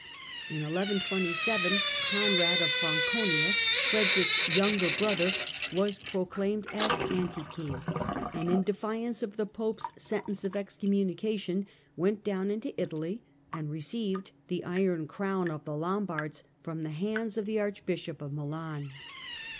In 1127 Conrad of Franconia, Frederick's younger brother, was proclaimed as anti king, and in defiance of the Pope's sentence of excommunication, went down into Italy and received the iron crown of the Lombards from the hands of the Archbishop of Milan.